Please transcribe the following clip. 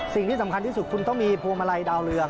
สิ่งที่สำคัญที่สุดคุณต้องมีพวงมาลัยดาวเรือง